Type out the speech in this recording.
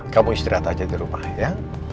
kamu istirahat aja di rumah ya